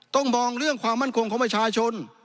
ต้องมองเรื่องความมั่นคงของประชาชน